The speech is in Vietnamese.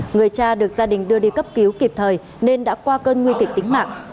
người cha được gia đình đưa đi cấp cứu kịp thời nên đã qua cơn nguy kịch tính mạng